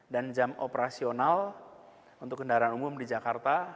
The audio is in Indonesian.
dan jam operasional untuk kendaraan umum di jakarta